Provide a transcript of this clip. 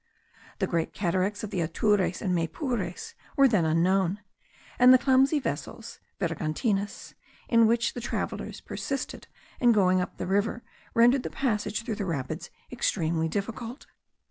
The Great Cataracts of the Atures and Maypures were then unknown; and the clumsy vessels (vergantines), in which travellers persisted in going up the river, rendered the passage through the rapids extremely difficult.